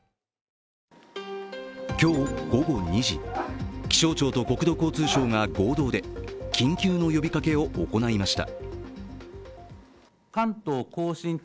今日午後２時、気象庁と国土交通省が合同で緊急の呼びかけを行いました。